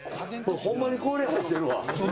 ほんまに氷入ってるわ。